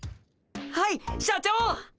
はい社長っ！